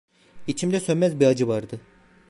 İçinde sönmez bir acı vardı.